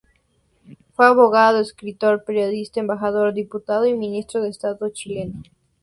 Fue abogado, escritor, periodista, embajador, diputado y ministro de estado chileno.